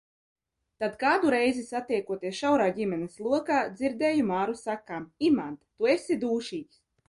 Tad kādu reizi satiekoties šaurā ģimenes lokā, dzirdēju Māru sakām: Imant, Tu esi dūšīgs.